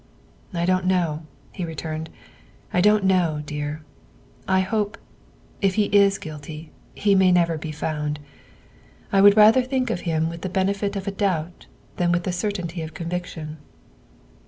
" I don't know," he returned, " I don't know, dear. I hope, if he is guilty, he may never be found. I would rather think of him with the benefit of a doubt than with the certainty of conviction."